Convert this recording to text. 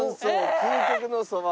究極のそば」